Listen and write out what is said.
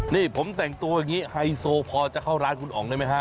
นี่ผมแต่งตัวอย่างนี้ไฮโซพอจะเข้าร้านคุณอ๋องได้ไหมฮะ